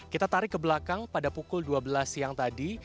kita tarik ke belakang pada pukul dua belas siang tadi